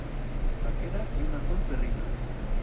Aquera ye una fuent ferrina.